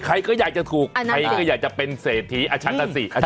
ใครก็อยากจะถูกใครก็อยากจะเป็นเศรษฐีอาชันตสิ